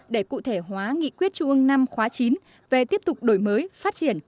để cụ thể hóa nghị quyết trung ương năm khóa chín về tiếp tục đổi mới phát triển